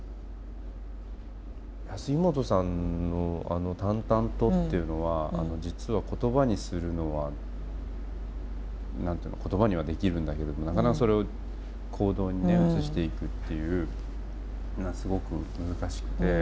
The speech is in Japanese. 杉本さんの淡々とっていうのは実は言葉にするのは何て言うの言葉にはできるんだけれどなかなかそれを行動に移していくっていうのがすごく難しくて。